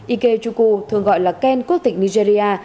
ike chukwu thường gọi là ken quốc tịch nigeria